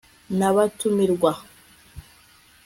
nabatumirwa